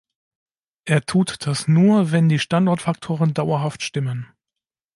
Er tut das nur, wenn die Standortfaktoren dauerhaft stimmen.